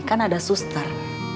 kan ada suster